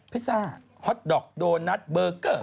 พิซซ่าฮอตดอกโดนัทเบอร์เกอร์